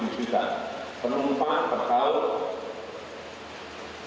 dua tujuh juta penumpang per tahun